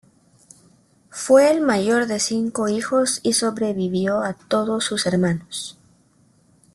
Fue el mayor de cinco hijos y sobrevivió a todos sus hermanos.